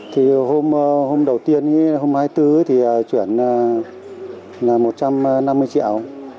thì hôm đầu tiên hôm hai mươi bốn thì chuyển là một trăm năm mươi triệu